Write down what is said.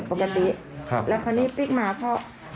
พี่โจมตีโคตรว่านี่พลิกมาเบื่อแบบนี้